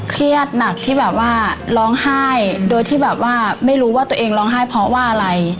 เครียดหนักที่แบบว่าร้องไห้โดยที่แบบว่าไม่รู้ว่าตัวเองร้องไห้เพราะว่าอะไร